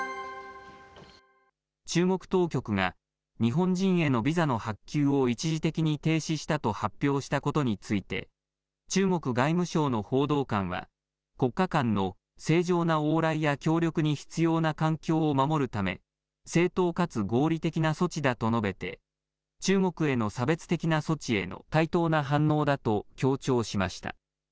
中国当局が日本人へのビザの発給を一時的に停止したと発表したことについて、中国外務省の報道官は、国家間の正常な往来や協力に必要な環境を守るため、正当かつ合理的な措置だと述べて、中国への差別的な措置への対等な反応だと強調しました。